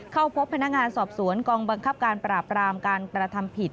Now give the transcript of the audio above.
เข้าพบพนักงานสอบสวนกองบังคับการปราบรามการกระทำผิด